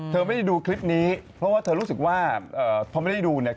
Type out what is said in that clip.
เธอไม่ได้ดูคลิปนี้เพราะว่าเธอรู้สึกว่าพอไม่ได้ดูเนี่ย